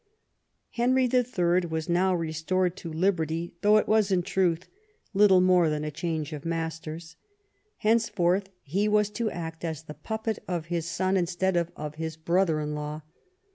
Henry HL was now restored to liberty, though it was, in truth, little more than a change of masters. Henceforth he was to act as the puppet of his son instead of his brother in law.